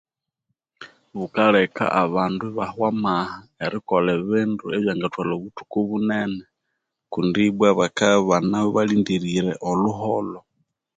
Bukaleka andu ibahwa amaha erikolha ebindu ebyanga thwalha obuthuku bunene kundi ibwa bakabya ibanalindirire olhuholho